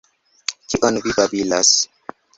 Kion vi babilas!